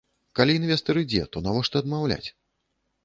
Калі інвестар ідзе, то навошта адмаўляць?